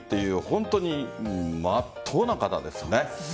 本当にまっとうな方ですよね。